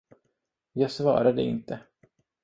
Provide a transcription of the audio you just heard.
Jag svarade inte.